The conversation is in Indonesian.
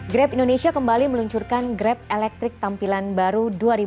grab indonesia kembali meluncurkan grab elektrik tampilan baru dua ribu dua puluh